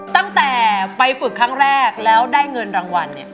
ตั้งแต่ไปฝึกครั้งแรกแล้วได้เงินรางวัล